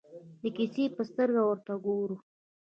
د کیسې په سترګه ورته ګورو.